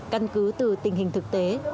căn cứ từ tình hình thực tế